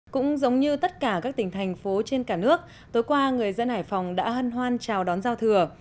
cũng giống như tất cả các tỉnh thành phố trên cả nước tối qua người dân hải phòng đã hân hoan chào đón giao thừa